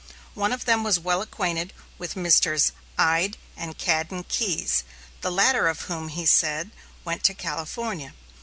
One of them was well acquainted with Messrs. Ide and Cadden Keyes, the latter of whom, he says, went to California.